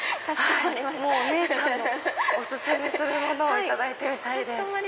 もうお姉さんのお薦めするものをいただいてみたいです。